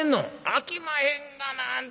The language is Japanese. あきまへんがなあんた。